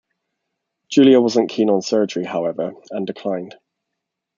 Julia wasn't keen on surgery, however, and declined.